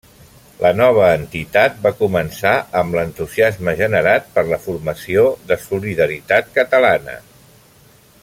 La nova entitat va començar amb l'entusiasme generat per la formació de Solidaritat Catalana.